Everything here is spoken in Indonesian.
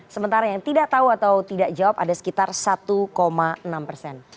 sementara yang tidak tahu atau tidak jawab ada sekitar satu enam persen